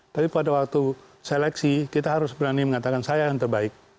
tapi pada waktu seleksi kita harus berani mengatakan saya yang terbaik